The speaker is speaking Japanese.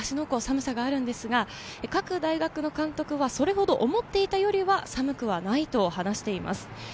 湖の寒さがあるんですが、各大学の監督はそれほど思っていたよりは寒くはないと話しています。